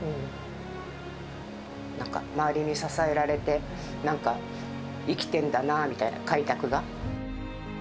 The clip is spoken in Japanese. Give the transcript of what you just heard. なんか、周りに支えられて、なんか生きてんだなみたいな、開拓が。